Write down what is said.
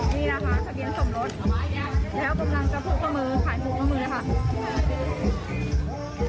นี่นะคะทะเบียนสมรสแล้วกำลังจะพกข้อมือขายผูกข้อมือค่ะ